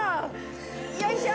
よいしょ！